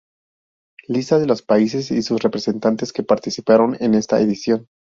Lista de los países y sus representantes que participaron en esta edición.